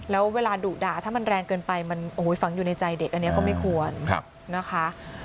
แล้วเวลาดุด่าถ้ามันแรงเกินไปมันฝังอยู่ในใจเด็กอันนี้ก็ไม่ควรนะคะ